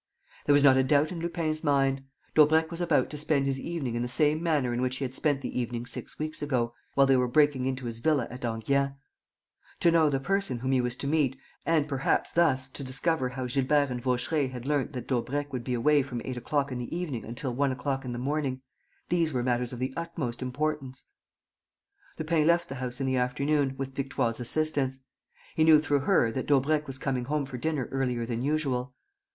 There was not a doubt in Lupin's mind. Daubrecq was about to spend his evening in the same manner in which he had spent the evening six weeks ago, while they were breaking into his villa at Enghien. To know the person whom he was to meet and perhaps thus to discover how Gilbert and Vaucheray had learnt that Daubrecq would be away from eight o'clock in the evening until one o'clock in the morning: these were matters of the utmost importance. Lupin left the house in the afternoon, with Victoire's assistance. He knew through her that Daubrecq was coming home for dinner earlier than usual.